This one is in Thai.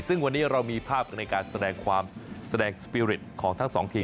ซึ่งวันนี้เรามีภาพกันในการแสดงความแสดงสปีริตของทั้งสองทีม